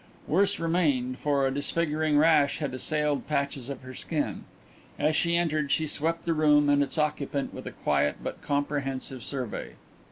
Worse remained, for a disfiguring rash had assailed patches of her skin. As she entered she swept the room and its occupant with a quiet but comprehensive survey.